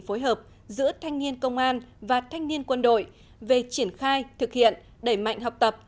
phối hợp giữa thanh niên công an và thanh niên quân đội về triển khai thực hiện đẩy mạnh học tập